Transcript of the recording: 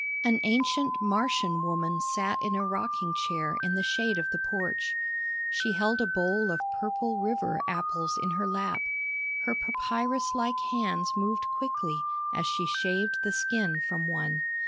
An ancient Martian woman sat in a rocking chair in the shade of the porch. She held a bowl of purple river apples in her lap. Her papyrus like hands moved quickly as she shaved the skin from one.